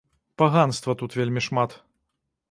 Паганства тут вельмі шмат.